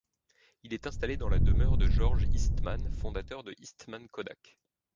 Il est installé dans la demeure de George Eastman, fondateur de Eastman Kodak.